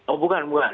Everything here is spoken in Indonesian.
oh bukan bukan